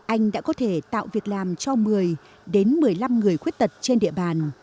anh đã có thể tạo việc làm cho một mươi đến một mươi năm người khuyết tật trên địa bàn